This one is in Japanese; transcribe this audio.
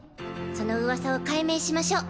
そのウワサを解明しましょう。